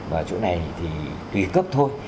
và chỗ này thì tùy cấp thôi